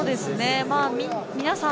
皆さん